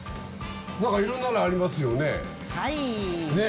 何かいろんなのありますよね。